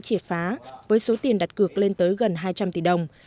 triệt phá với số tiền đặt cược lên tới gần hai trăm linh tỷ đồng